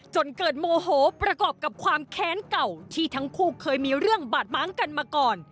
จนเกิดโมโหประกอบกับความแค้นเก่าที่ทั้งคู่เคยมีเรื่องบาดม้างกันมาก่อน